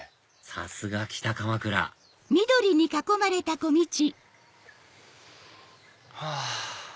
さすが北鎌倉はぁ！